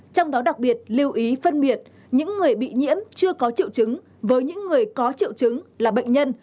trong đó đặc biệt lưu ý phân biệt những người bị nhiễm chưa có triệu chứng với những người có triệu chứng là bệnh nhân